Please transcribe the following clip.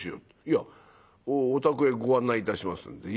「いやお宅へご案内いたしますんで」。